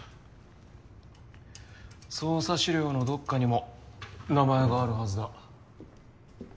捜査資料のどっかにも名前があるはずだ。